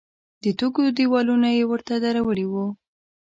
د تیږو دیوالونه یې ورته درولي وو.